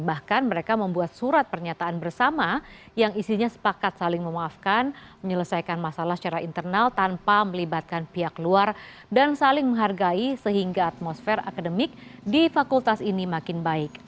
bahkan mereka membuat surat pernyataan bersama yang isinya sepakat saling memaafkan menyelesaikan masalah secara internal tanpa melibatkan pihak luar dan saling menghargai sehingga atmosfer akademik di fakultas ini makin baik